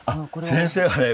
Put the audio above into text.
先生はね